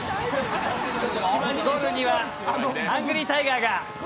ゴールにはハングリータイガーが。